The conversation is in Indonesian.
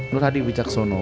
nur hadi wijaksana